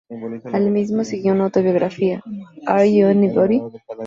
Al mismo siguió una autobiografía, "Are You Anybody?